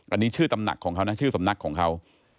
อันนี้ชื่อตำหนักของเขานะชื่อสำนักของเขา